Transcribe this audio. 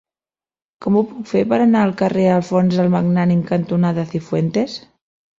Com ho puc fer per anar al carrer Alfons el Magnànim cantonada Cifuentes?